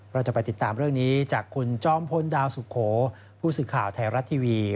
เราจะไปติดตามเรื่องนี้จากคุณจอมพลดาวสุโขผู้สื่อข่าวไทยรัฐทีวี